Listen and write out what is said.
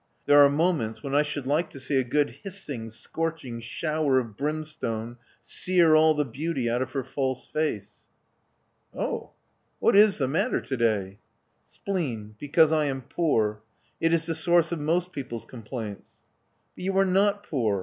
There are moments when I should like to see a good hissing, scorching shower of brimstone sear all the beauty out of her false face." " Oh ! What is the matter to day?' ' Spleen — because I am poor. It is the source of most people's complaints." '*But you are not poor.